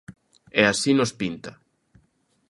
¡E así nos pinta!